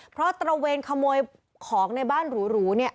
เพราะตระเวนขโมยของในบ้านหรูเนี่ย